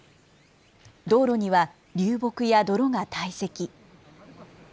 道路には流木や泥が堆積。